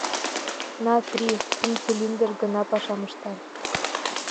«На три» — кум цилиндр гына пашам ышта.